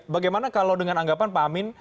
bagaimana kalau dengan anggapan pak amin